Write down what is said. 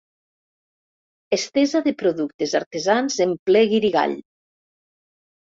Estesa de productes artesans en ple guirigall.